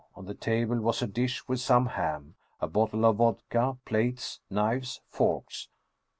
On the table was a dish with some ham, a bottle of vodka, plates, knives, forks.